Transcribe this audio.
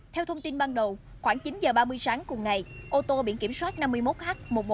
theo thông tin ban đầu khoảng chín h ba mươi sáng cùng ngày ô tô bị kiểm soát năm mươi một h một mươi một nghìn hai trăm năm mươi năm